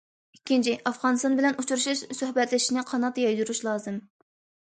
ئىككىنچى، ئافغانىستان بىلەن ئۇچرىشىش، سۆھبەتلىشىشنى قانات يايدۇرۇش لازىم.